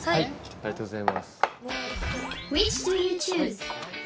ありがとうございます。